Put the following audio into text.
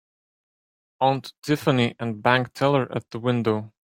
Aunt Tiffany and bank teller at the window.